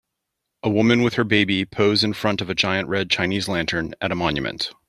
A woman with her baby pose in front of a giant red Chinese lantern at a monument.